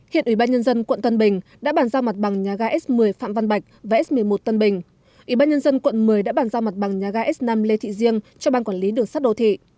hiện ủy ban nhân dân quận tân bình đã bàn giao mặt bằng nhà ga s một mươi phạm văn bạch và s một mươi một tân bình ủy ban nhân dân quận một mươi đã bàn giao mặt bằng nhà ga s năm lê thị riêng cho ban quản lý đường sắt đô thị